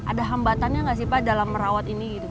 ada hambatannya nggak sih pak dalam merawat ini gitu